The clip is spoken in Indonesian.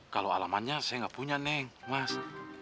kalau alamatnya saya gak punya neng mas